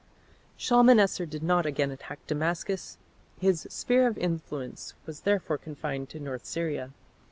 Shalmaneser did not again attack Damascus. His sphere of influence was therefore confined to North Syria.